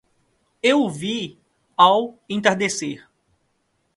Eu o vi ao entardecer